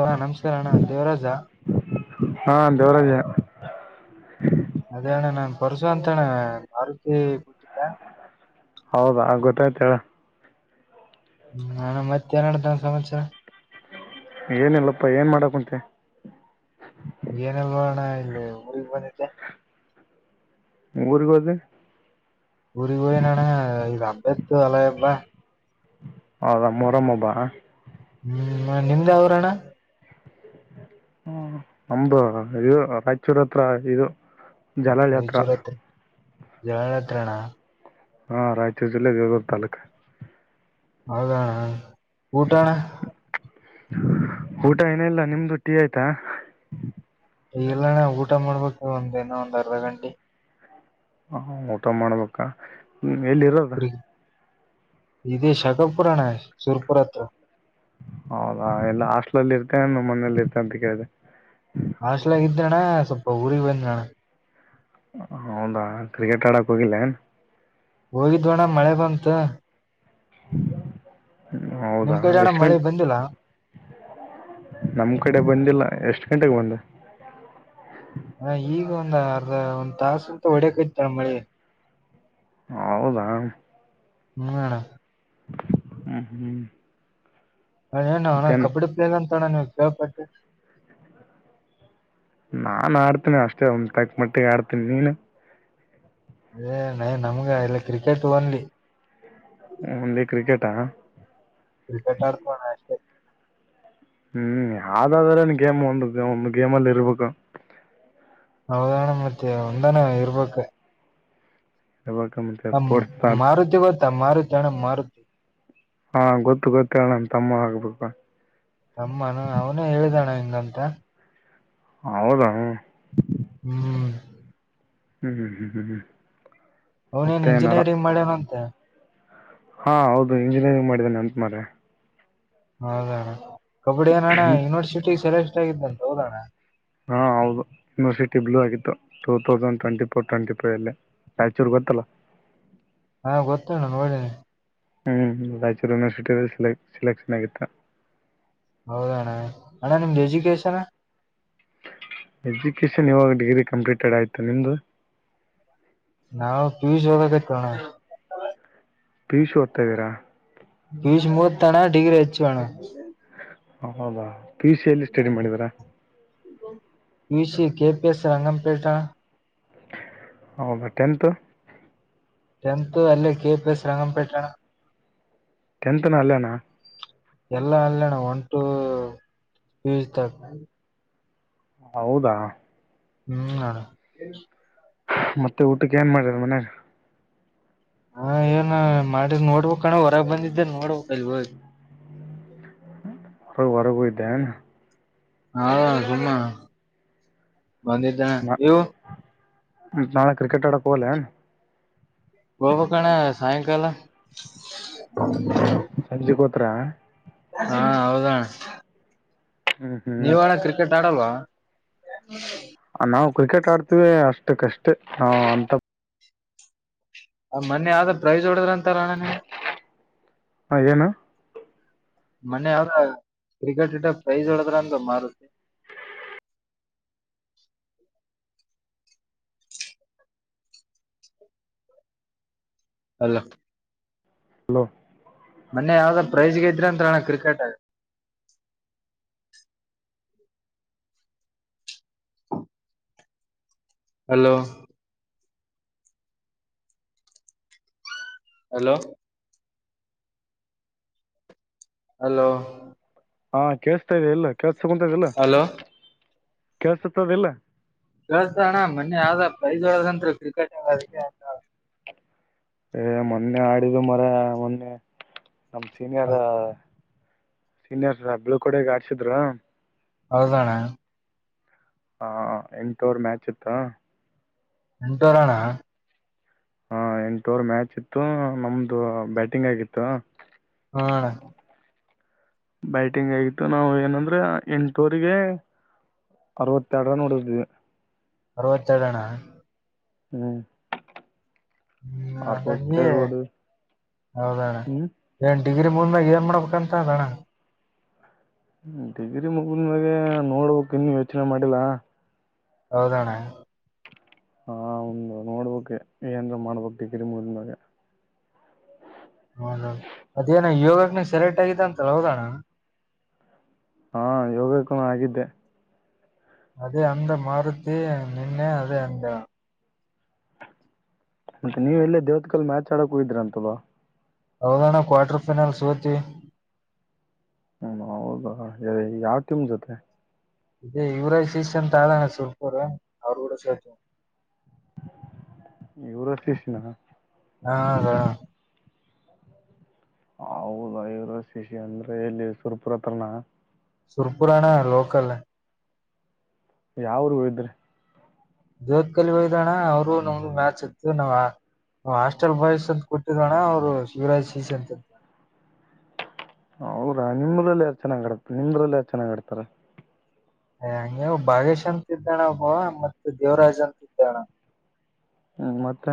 ಹ ನಮಸ್ಕಾರ ಅಣ ದೇವರಾಜ ಹಾ ದೇವರಾಜೆ ಅದ ಅಣ್ಣ ನಾನ್ ಪರ್ಸು ಅಂತಣ ಮಾರುತಿ ಕೊಟ್ಟಿದ್ದ ಹೌದಾ ಗೊತ್ತಾಯ್ತ್ ಹೇಳ ನಾನು ಮತ್ [unintelligible] ಸಮಾಚಾರ ಏನಿಲ್ಲಪ್ಪಾ ಏನ್ ಮಾಡಕ ಕುಂತಿ ಏನಲ್ವೋ ಅಣ ಇಲ್ಲಿ ಊರಿಗ್ ಬಂದಿದ್ದೆ ಊರಿಗೋದಿ ಊರಿಗೊಗಿನ್ ಅನ ಇದು ಅಬ್ಬ ಇತ್ತು ಅಲಯವಾ ಹೌದಾ ಮೊರಮ ಹಬ್ಬ ಹ್ಮ್ ನಿಮ್ದ ಯಾವ ಊರ ಅಣ್ಣ ಹ ನಮ್ದು ಇದು ರಾಯಚೂರ್ ಹತ್ರ ಇದು ಜಲಜಾತ್ರ ಜನತ್ರಣ ಹಾ ರಾಯಚೂ ಜಿಲ್ಲಾ ವಿಗೋಗ್ ತಾಲೂಕ್ ಹೌದಣ್ಣ ಊಟಣ್ಣ ಊಟ ಏನ ಇಲ್ಲ ನಿಮ್ದು ಟೀ ಆಯ್ತಾ ಎಲ್ಲಣ್ಣ ಊಟ ಮಾಡ್ಬೇಕು ಒಂದಿನ ಒಂದ್ ಅರ್ಧ ಗಂಟೆ ಹಾ ಊಟ ಮಾಡ್ಬೇಕಾ ಎಲ್ಲಿ ಇರೋದು ಇದು ಶಕಪುರಾಣ ಸುರ್ಪುರತ್ರ ಹೌದಾ ಎಲ್ಲ ಹಾಸ್ಟ್ಲಲ್ಲಿ ಇರ್ತೇ ನಮ್ಮ ಮನೇಯಲ್ಲಿ ಇರ್ತ ಅಂತ ಕೇಳಿದೆ ಹಾಸ್ಟೆಲಾಗ ಇದಣ್ಣ ಸ್ವಲ್ಪ ಊರಿಗ್ ಹೋಗಿನಣ್ಣ ಹೌದಾ ಕ್ರಿಕೆಟರ ಆಡಕ ಹೋಗಿದ್ಯ ಹೋಗಿದ್ವಣ್ಣ ಮಳೆ ಬಂತ ಹ್ಮ ಹೌದಾ ನಿಮ್ ಕಡೆ ಅಣ್ಣ ಎಷ್ಟ ಮಳೆ ಗಂಟೆ ಬಂದಿಲ್ಲ? ನಮ್ ಕಡೆ ಬಂದಿಲ್ಲ ಎಷ್ಟ್ ಗಂಟೆಗೆ ಬಂದ ಅಣ್ಣ ಈಗ ಒಂದ್ ಅರ್ಧ ಒಂದ್ ತಾಸ ಅ ಹೊಡಕ ಇ್ ನಮ್ಮ ಮಳಿ ಹೌದಾ ಹ್ಮ್ ಅಣ್ಣ ಹ್ಮ್ ಹ್ಮ್ ಹ ಏನು ಹಣ ಕಬಡಿ ಪ್ಲೇಲ್ಲ ಅಂತಣ ನೀವು ಕೇಳ್ಪಟ್ಟೆ ನಾನ್ ಆಡ್ತೀನಿ ಅಷ್ಟೇ ಒಂ ತಕ್ ಮಟ್ಟಿಗೆ ಆಡ್ತೀನಿ ನೀನು ಅದೇ ನಯ ನಮ್ಗ ಇಲ್ಲ ಕ್ರಿಕೆಟ್ ಓನ್ಲಿ ಒನ್ಲ್ಲಿ ಕ್ರಿಕೆಟಾ ಕ್ರಿಕೆಟಾರ್ ಆಡ್ತಿವ್ ಅಣ್ಣ ಹ್ಮ್ ಯಾವ್ದಾದ್ರನ್ ಗೇಮ್ ಒಂದು ಒಂದು ಗೇಮ್ಲ್ಲಿ ಇರ್ಬೇಕು ಹೌದಣ್ಣ ಮತ್ತೆ ಒಂದಾನ ಇರ್ಬೇಕ ಇರ್ಬೇಕು ಮತ್ತೆ ಆ ಸ್ಪೋರ್ಟ್ಸ್ ಮಾರು ಗೋತ ಮರುತಣ ಮಾರು ದವ ಹಾ ಗೊತ್ತು ಗೊತ್ತ ನನ್ ತಮ್ಮ ಆಗ್ಬೇಕು ತಮ್ಮಾನ ಅವನೇ ಹೇಳಿದಣ ಹಂಗಂತ ಹೌದಣೀ ಹ್ಮ್ ಹ್ಮ್ ಹ್ಮ್ ಹ್ಮ್ ಹ್ಮ ಹ್ಮ ಅವನೇನ್ ಇಂಜಿನಿಯರಿಂಗ್ ಮಾಡ್ಯನ ಅಂತ ಹಾ ಹೌದು ಇಂಜಿನಿಯರಿಂಗ್ ಮಾಡಿದ್ದೇನೆ ಅಂತ ಮಾರಯ ಹೌದಣ ಕಬಡ್ಡಿ ಅನಣ್ಣ ಯೂನಿವರ್ಸಿಟಿ ಸೆಲೆಕ್ಟ್ ಆಗಿದ್ದಂತ ಹೌದಣ ಹಾ ಹೌದು ಯನಿವರ್ಸಟಿ ಬ್ಲೂ ಆಗಿತ್ತು two thousand twenty four twenty five ಅಲ್ಲಿ ರಾಯಚೂರು ಗೋತ ಅಲಾ ಹಾ ಗೊತ್ತೇಣ್ಣ ನೋಡಿ ಹ್ಮ್ ರಾಯಚೂರು ಯೂನಿವರ್ಸಿಟಿಲ್ಲಿ ಸಿಲೆ ಸಿಲೆಕ್ಷನ್ ಆಗಿತ್ತ ಹೌದಣ್ಣ ಅಣ್ಣ ನಿಮ್ದು ಎಜುಕೇಶನ್ ಎಜುಕೇಶನ್ ಇವಾಗ ಡಿಗ್ರಿ ಕಂಪ್ಲೀಟೆಡ್ ಆಯ್ತು ನಿಮ್ದು ನಾವು ಕ್ವಿಜ್ಕೊಳಬೇಕ್ ಅಣ್ಣ ಪಿ ಯು ಸೀ ಓತಾ ಇದೀರಾ ಪೀ-ಯು -ಸೀ ಮೂಗೀತ ತಣ ಡಿಗರಿ ಹಚ್ಚುವ ಅಣ ಹೌದಾ ಪಿ ಸಿಲ್ಲಿ ಸ್ಟಡಿ ಮಾಡಿದರಾ ಬ ಯುಸಿ ಕೆಪಿ ಎಸ್ ರಂಗಂಪೇಟಾ ಅಣ್ಣಾ ಹ ಬಟ್ಟೆಂತು ಟೆಂತ್ ಅಲ್ಲೇ ಕೆ ಪಿಎಸ್ ರಂಗಂಪೇಟೆಣ ಟೆಂತ್ನ ಅಲ್ಲಣ್ಣ ಎಲ್ಲ ಅಲ್ಲಣ ಒನ್ ಟು ಸ್ೀ ಹೌದಾ ಹೂ ಮತ್ತೆ ಊಟಕ್ಕೆ ಏನ್ ಮಾಡಾರ ಮನೆಗ ಹಾ ಏನ್ ಮಾಡ್ ನೋಡ್ಬೇಕ್ಣ ಹೊರಗೆ ಬಂದಿದ್ದೆ ನೋಡ್ಬೇಕಕ್ಲ್ವೋ ಹ ಹೊ ಹೋಗಿದ್ಯ ಹಾ ಜುಮ್ಮ ಬಂದಿದ್ದ ಇವ ನಾಳೆ ಕ್ರಿಕೆಟ್ ಆಡಕ್ಕ ಹೋಗ್ಲ ಹೋಗಬೇಕಣ್ಣ ಸಾಯಂಕಾಲ ಹ ಸಜ್ಜಿಗೋತ್ರ ಹಾ ಹೌದಣ ಹ್ಞೂ ಹ್ಞೂ ನೀವಣ್ಣ ಕ್ರಿಕೆಟ್ ಆಡಲ್ವಾ ನಾವು ಕ್ರಿಕೆಟ್ ಆಡ್ತಿೀವಿ ಅಷ್ಟು ಕಷ್ಟೇ ನ ಅಂತ ಆ ಮೊೆ ಆದ ಪ್ರೈಜ್ ಹೊಡದ್ರ ಅಂತಲ್ಲ ಅಣ್ಣ ನೀವು ಹಾ ಏನು ಮನ್ ಯಾವ ಕ್ರಿಕೆಟ್ ಇಟ್ಟ ಪ್ರೈಸ್ ಹೊಡದ್ರ ಅಂದ ಮಾರುತ್ತೆ ಅಲ್ಲ ಹಲೋ ಾಂತಾನ ಕ್ರಿಕೆಟ್ ಹಲೋ ಹಲೋ ಹಲೋ ಹಾ ಕೇಸ್ತಾ ಎಲ್ಲ ಕೇಳ್ಸಕೊಂತದೆಲ್ಲ ಹಲೋ ಕಳ್ಸತದೆಲ್ಲ ಕೆಲಸ್ತಣ್ಣಾ ಮೊನ್ನೆ ಪ್ರೈಜ ಹೋದ್ರೀ ಕ್ರಿಕೆಟ್ ಏ ಮೊನ್ನೆ ಆಡಿದು ಮಾರಾಯ ಮೊನ್ನೆ ನಮ ಸೀನಿಯರ್ ಸೀನಿಯರ್ಸ್ ಬೀಳ್ಕೊಂಡಿಗೆ ಗೆ ಹಾಕ್ಸಿದ್ರು ಹೌದಾ ಅಣ್ಣ ಹಾ ಎಂಟೋರ್ ಮ್ಯಾಚ್ ಇತ್ತ ಎಂತೋರಣ ಹಾ ಎಂಟೂರ್ ಮ್ಯಾಚ್ ಇತ್ತು ನಮ್ದು ಬ್ಯಾಟಿಂಗ್ ಆಗಿತ್ತು ಹ ಅಣ್ಣ ಬೈಟಿಂಗ್ ಆಗಿತ್ತು ನಾವು ಏನಂದ್ರೆ ಎಂಟವರಿಗೆ ಅರವತ್ತೆರಡರ ನೋಡಿದವಿ ಅರವತ್ತೇಳಡಣ ಹೂ ಹೂ ಅ ಹ್ಮ್ ಹೌದಣ್ಣ ಡಿಗ್ರಿ ಮುಂದಾಗ ಏನ್ ಮಾಡ್ಬೇಕಂತ ಅದಣ ಡಿಗ್ರಿ ಮುಗದ ಮ್ಯಾಗೆ ನೋಡ್ಬೇಕಕ್ ಇನ್ನು ಯೋಚನೆ ಮಾಡಿಲ್ಲಾ ಹೌದಣ ಹಾ ಒಂದು ನೋಡ್ಬುಕ್ ಏನ್್ರ ಮಾಡ್ಬಕ್ ಡಿಗ್ರಿ ಮುಗ್ಡ್ಮೇಲೆ ಹೌದೌದು ಮದೇನ ಯೋಗಕ್ ನೀ ಸೆಲೆಕ್ಟ್ ಆಗ ಅಂತ ಹೋದೋಣ ಹಾ ಯೋಗಕ್ಕೂ ನ ಆಗಿದ್ದೆ ಅದೇ ಅಂದ ಮಾರುತಿ ನಿನ್ನೆ ಅದೇ ಅಂದ ಮತ್ತೆ ನೀವ ಎಲ್ಲೇ ದೇವತ್ ಕಲ್ ಮ್ಯಾಚ್ ಆಡಕ್ ಹೋಗಿದ್ರಂತಲ್ವಾಾ ಹೌದಣ್ಣ ಕ್ವಾರ್ಟರ್ ಫೈನಲ್ ಸೋತ್ವಿ ಹೂ ಹೌದ ಯಾವಟಿಮ್ ಜೊತೆ ಇದೇ ಇವರ ಸೀಸನ್ ತಳ ಸಲ್ಪ್ರ ಅವರು ಕೂಡ ಸೇತ ಇವರುಷ್ಟಸಿನ ಹ ಅದೇ ಅಣ್ಣ ಹೌದಾ ಇವರ ಶಿಶ ಅಂದ್ರೆ ಇಲ್ಲಿ ಸುರ್ಪುರ ಹತ್ರನ ಸುರ್ಪುರಾಣ ಲೋಕಲ್ ಯಾವ ಊರು ಹೋಗಿದ್ರಿ ಜ್ಯೋತ್ಕಲಿ ಹೋಗಿದುವಾ ಅಣ್ಣ ಅವ್ರು ನಮ್ದು ಮ್ಯಾಚ್ ಇತ್ತು ನಾವ್ ಹಾಸ್ಟೆಲ್ ಬಾಯ್ಸ್ ಅಂತ ಕೂತಿದೇವ ಅಣ್ಣಾ ಅವ್ರು ಶಿವರಾಜ್ ಸೀಸ್ ಅಂತ ಹರಾ ನಿಮ್ಮಲ್ಲಿ ಯಾರು ಚೆನ್ನಾಗಾಗಿ ಆಡತ ನಿಮ್ರಲ್ಲಿ ಯಾರು ಚೆನ್ನಾಗ್ ಆಡ್ತಾರೆ ಅಯ ಹಗೆವು ಬಾಗೇಶ್ ಅಂತ ಇದ ಅಣ್ಣಾ ಓಬವ್ವ ಮತ್ತೆ ದೇವರಾಜ್ ಅಂತ ಇದ ಅಣ್ಣಾ ಮತ್ತ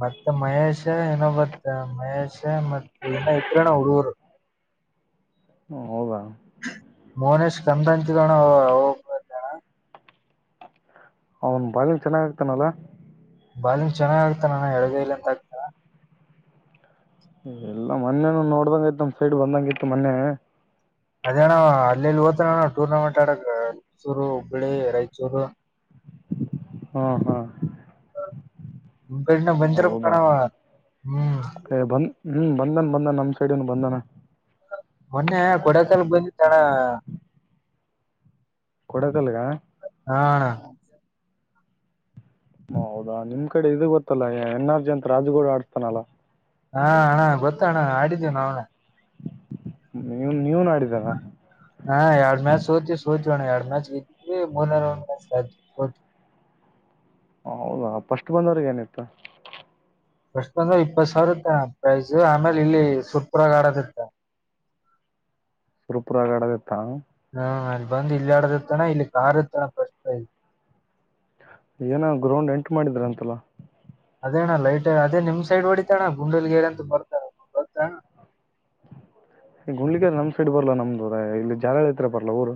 ಮತ್ತೆ ಮಹೇಶ್ ಇನ್ನೊಬ್ಬತ್ ಮಹೇಶ್ ಮತ್ ಇನ್ನೊ ಇತ್ರೇನ ಹುಡುಗುರು [unintelligible] ಹೂ ಹೌದಾ [unintelligible] ಅವನು ಬೌಲಿಂಗ್ ಚೆನ್ನಾಗ ಹಾಕ್ತಾನ ಅಲ್ಲ ಬಾಲಿಂಗ್ ಚೆನ್ನಾಗ ಆಗ್ತ ನಾನ ಎಡಗಯಲಿ ಅಂತ ಆಗ್ತಾರ ಎಲ್ಲ ಮೊನ್ನೆನ ನೋಡ್ದಂಗ ಇತ್ ನಮ್ ಸೈಡ್ ಬಂದಂಗ ಇತ್ತು ಮೊನ್ನೆ ಅದೇಣ ಅಲ್ಲಿಲ್ಲಿ ಹೊತಾನ ಅಣ್ಣ ಟೂರ್ನಮೆಂಟ್ ಆಡಕ್ ರಾಯಚೂರು ಹುಬ್ಬಳ್ಳಿ ರಾಯಚೂರು ಹ್ಮ ಹಾ ನಿಮ್ಮ ಕಡಿನ ಬಂದಿರಬೇಕ ಹೌದಾ ಅಣ್ಣ ಅವ ಹೂ ಬಂದ್ ಹ್ಮ್ ಬಂದನ್ ಬಂದನ್ ನಮ್ಮ್ ಸೈಡನು ಬಂದನ ಮೊನ್ನೆ ಕೊಡಕಲ್ಕ್ ಬಂದಿತ ಅಣ್ಣ ಕೊಡೇಕಲ್ಲ ಹಾ ಹ ಹೌದಾ ನಿಮ್ ಕಡೆ ಇದು ಗೊತ್ತಲ್ಲಾ ಎನ್ ಆರ್ ಜಿ ಅಂತ ರಾಜಗೌಡ ಆಡ್ಸ್ತಾನಲ್ಲಾ ಹಾ ಅಣ್ಣ ಗೊತ್ತ ಅಣ್ಣ ಆಡಿದ್ದೇವಿ ನಾವ ನೀವು ನೀವನ್ ಆಡಿದರ ಹಾ ಎರಡ್ ಮ್ಯಾಚ್ ಸೋತವಿ ಸೋತೋಣ ಎರಡ್ ಮ್ಯಾಚ್ ಗ್ದಿದ್ವಿ ಮುರುನೆ ಮ್ಯಾಚ್ ರೌಂಡ್ ಗ ಸೋತ್ವಿ [unintelligible] ಹೌದಾ ಫಸ್ಟ್ ಬಂದವ್ರಗೆ ಏನಿತ್ತು ಪಸ್ಟ್ ಬಂದೋವ್ರ್ ಇಪ್ಪತ್ ಸಾವಿರ ಇತ್ತ ಪ್ರೈಸ್ ಆಮೇಲೆ ಇಲ್ಲಿ ಸುಪ್ರಾಗ್ ಆಡದತ್ತ [unintelligible] ಸೂಪರ್ ಆಗಿ ಆಡೋದ ಇತ್ತಾ ಹಾ ಅಲ್ಲಿ ಬಂದ್ ಇಲ್ಲ ಆಡದ ಇತ್ತ ಅಣ್ಣ ಇಲ್ಲಿ ಕಾರ್ ಇತ್ತ ಅಣ್ಣ ಫಸ್ಟ್ ಪ್ರೈಸ್ ಏನ ಗ್ರೌಂಡ್ ಎಂಟ ಮಾಡಿದ್ರ ಅಂತಲ್ಲ ಅದೇಣ್ಣ ಲೈಟ್ ಅದೇ ನಿಮ್ ಸೈಡ್ ಹೊಡಿತಣ್ಣ ಗುಂಡಲ್ಗೇರ್ ಅಂತ ಬರ್ತ್ ಗೊತ್ತು ಅಣ್ಣಾ ಈ ಗುಂಡ್ಲಿಗ ನಮ್ ಸೈಡ್ ಬರ್ಲ್ಲಾ ನಮ್ದು ಇಲ್ಲಿ ಜಾಲಳ್ಳಿ ಹತ್ರ ಬರ್ಲ್ಲಾ ಊರು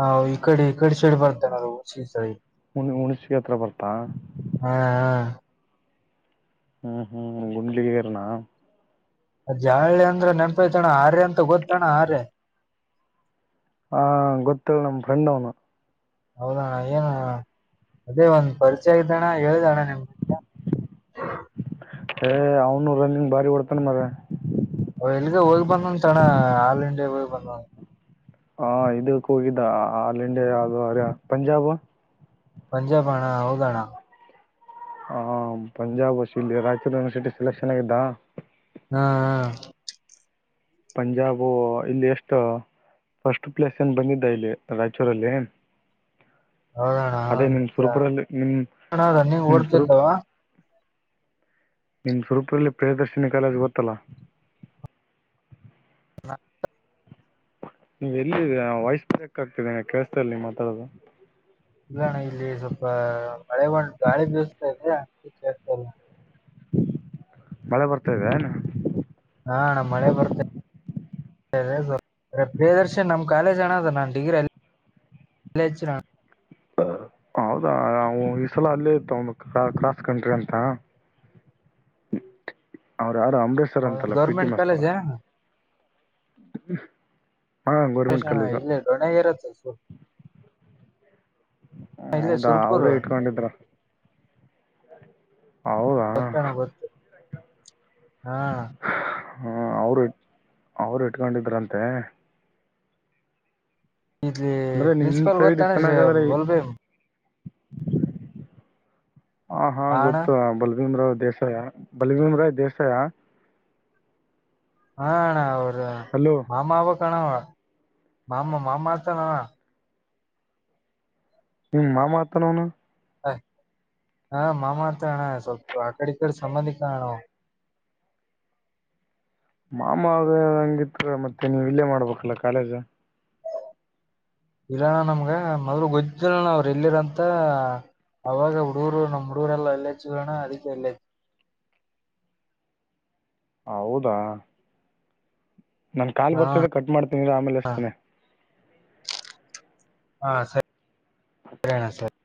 ಹಾ ಈ ಕಡೆ ಈ ಕಡೆ ಸೈಡ್ ಬರ್ತೇನೋ ಆದ ಹುಣಸಗಿ ಸೈಡ್ ಹುಣಸಗಿ ಸೈಡ್ ಬರ್ತಾ ಹಾ ಹ್ಮ್ ಹ್ಮ್ ಗುಂಡಲಿಗೆರಿ ನಾ ಅ ಜಾಲಳ್ಳಿ ಅಂದ್ರೆ ನೆನಪ ಐತಿ ಏನ್ ಅಣ್ಣ ಆರ್ಯ ಅಂತ ಗೊತ್ತ ಏನು ಅಣ್ಣ ಆರ್ಯ ಹ ಗೊತ್ತ ಏಳು ನಮ್ಮ ಫ್ರೆಂಡ್ ಅವನು ಹೌದಣ್ಣ ಏನಣ್ಣ ಅದೇ ಒಂದ್ ಪರಿಚಯ ಆ ಇದ್ದಣ್ಣ ಹೇಳ್ದಣ್ಣ ನಿಮ್ಗ್ [unintelligible] ಅವ್ನು ರನ್ನಿಂಗ್ ಭಾರಿ ಒಡ್ತಾನ ಮಗ ಅವ ಎಲ್ಗೆ ಹೋಗಿ ಬಂದಂದ ಅಣ್ಣ ಆಲ್ ಇಂಡಿಯಾಗ ಹೋಗಿ ಬಂದ ಹಾ ಇದಕ್ಕೆ ಹೋಗಿದ್ದ ಆಲ್ ಇಂಡಿಯಾ ಯಾವ್ದದು ಅರ ಪಂಜಾಬ್ ಪಂಜಾಬ್ ಆ ಅಣ್ಣ ಹೌದ ಅಣ್ಣಾ ಹಾ ಪಂಜಾಬ್ ಅ ಇಲ್ಲಿ ರಾಯಚೂರು ಯನಿವರ್ಸಿಟಿ ಸೆಲೆಕ್ಷನ್ ಆಗಿದ್ದ ಹಾ ಹಾ ಪಂಜಾಬು ಇಲ್ಲಿ ಎಷ್ಟು ಫಸ್ಟ್ ಪ್ಲೇಸ್ ಏನ್ ಬಂದಿದ್ದ ಇಲ್ಲಿ ರಾಯಚೂರಲ್ಲಿ ಹೌದಣ್ಣ ಅದೆ, ನಿಮ್, ನಿಜ. ಸೂರುಪಲ್ಲಿ, ಅಣ್ಣ ರನ್ನಿಂಗ್ ನಿಮ್, ಸೂರುಪಲ್ಲಿ. ಓಡ್ತಿದ್ದವ [unintelligible] ನಿಮ್, ಸುರಪುರಲ್ಲಿ, ಪ್ರಿಯದರ್ಶಿನಿ ಕಾಲೇಜು ಗೊತ್ತಲಾ? [unintelligible] ನಾ. [unintelligible] ನೀವ್, ಎಲ್ಲಿ ವಯಸ್ಬ್ರೇಕ್! ಆಗ್ತಿದೆ ಕೆಲ್ಸದಲ್ಲಿ ಮಾತಾಡೋದು. [inaudible] ಇಲ್ಲಣ್ಣ, ಇಲ್ಲಿ ಸ್ವಲ್ಪ! ಮಳೆಗೊಂಡ್ ಗಾಳಿ ಬೀಸ್ತಾ ಇದೆ, ಅದಕ್ಕೆ, ಕೇಳ್ತಾ ಇಲ್ಲ. [inaudible] ಮಳೆ, ಬರುತ್ತದೆಯೇನು. [inaudible] ಹಾ, ಅಣ್ಣ, ಮಳೆ ಬರುತ್ತ. [unintelligible] ಪ್ರಿಯದರ್ಶನ್, ನಮ್, ಕಾಲೇಜ್, ಅಣ್ಣಾಧು ನಾನ್, ಡಿಗ್ರಿ ಅಲ್ಲಿ? [unintelligible] ಲೆಚರ.. [unintelligible] ಹೌದಾ, ಈ ಸಲ ಅಲ್ಲೇ, ತಾಕೋಬೇಕು, ಕ್ರಾಸ್, ಕಂಟ್ರಿಯಂತ. [unintelligible] [unintelligible] [inaudible] ಅವ್ರ, ಯಾರು, ಅಂಬರೀಶ್, ಸರ್ ಹೌದಾ, ಅಂತಲ್ಲ. PT, government master. ಕಾಲೇಜ್ [inaudible] ಹ್ಮ.. [unintelligible] ಹರೀಶನ, ಇಲ್ಲೈ, ದೊಡ್ಡಗೆರೆ, ಅಂತ ಹೆಸರು. [unintelligible] ಹ, ಹೌದಾ! ಅವ್ರೇ, ಇಟ್ಟುಕೊಂಡಿದ್ದರು. [unintelligible] ಗೋತ್ತಣ, ಗೊತ್ತು. [unintelligible] ಹಾ. [inaudible] ಹಾ, ಅವರು, ಅವ್ರು, ಇತ್ತಿಕೊಂಡು ಇದರ್ಯಂತೆ? [unintelligible] ಇಲಿ, ಅಂದರೆ ನಿಮ್ಮ ಪ್ರಿನ್ಸಿಪಾಲ್, ಸೈಡ್ ಗೊತ್ತ! ಚೆನ್ನಾಗಂದರೆ ಬಲ್ಲುದೇವು.. [unintelligible] ಹ, ಹಾ, ಅಣ್ಣ ಗೊತ್ತು! ಬಲಭೀಮ್ರಾವ್, ದೇಸಾಯಿ, ಬಲಭೀಮ ರಾವ್, ದೇಸಾಯಿಯಾ? [inaudible] ಹ, ಅಣ್ಣಾ, ಅವರು, ಹಲೋ ಅಮ್ಮಹಾಗುಬೇಕು? [inaudible] ಅಂತಾನವು, ಮಾಮ, ಮಾಮಾತಣ. [unintelligible] ಹ್ಮ್, ಮಾಮ, ಹಾಗುತ್ತಾನೆ, ಅವನು. [unintelligible] ಹಾ, ಮಾಮಾತಣ, ಸ್ವಲ್ಪ, ಆ, ಕಡೆ, ಈ ಕಡೆ ಸಂಬಂಧಿಕಾಣ, ಅವನು. [unintelligible] ಮಾಮ, ಆದರೆ, ಹಂಗಿತ್ತು, ಮತ್ತೆ, ನೀವು, ಇಲ್ಲೇ ಮಾಡ್ಬೇಕಲ್ಲ, ಕಾಲೇಜು? [inaudible] ಇಲ್ಲಣ್ಣ, ನಮ್ಗ, ಮೊದ್ಲು! ಗೊದಿಲ್ಲಣ ಅವರು ಎಲ್ಲಿದರಂತ? [inaudible] ಅವಾಗ, ಹುಡುಗರು, ನಮ್ಮ, ಹುಡುಗೂರೆಲ್ಲ ಒಳ್ಳೇ, ಜೀವನ, ಅದಕ್ಕೆ, ಇಲ್ಲೇ?. [unintelligible] ಹೌದಾ. [inaudible] ನನ್, ಕಾಲ್, ಹಾ ಬರ್ತಿದೆ, ಕಟ್ ಮಾಡ್ತೀನಿ, ಇರು, ಆಮೇಲೆ, ಅಣ್ಣ. ಅಚ್ಯುತೀನಿ. [inaudible] ಹಾ, ಸರಿಣ, ಸರಿ. [inaudible]